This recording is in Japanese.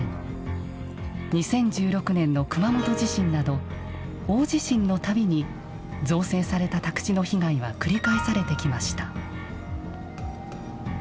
２０１６年の熊本地震など大地震の度に造成された宅地の被害は繰り返されてきました。